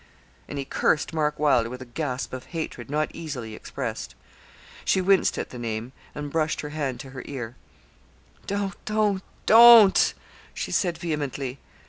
And he cursed Mark Wylder with a gasp of hatred not easily expressed. She winced at the name, and brushed her hand to her ear. 'Don't don't don't,' she said, vehemently.